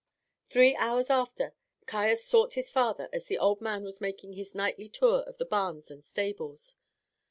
Three hours after, Caius sough his father as the old man was making his nightly tour of the barns and stables.